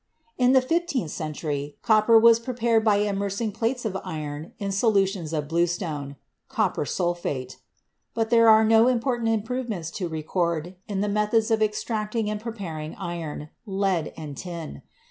In the fifteenth century, copper was prepared by im mersing plates of iron in solutions of bluestone (copper sulphate), but there are no important improvements to record in the methods of extracting and preparing iron, lead and tin.